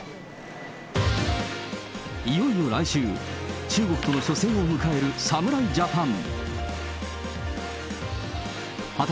いよいよ来週、中国との初戦を迎える侍ジャパン。